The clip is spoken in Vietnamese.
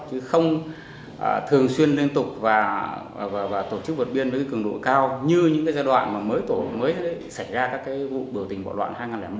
chứ không thường xuyên liên tục và tổ chức vượt biên với cường độ cao như những giai đoạn mới xảy ra các vụ bầu tình bạo đoạn hai nghìn một hai nghìn bốn